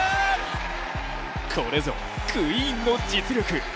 これぞクイーンの実力。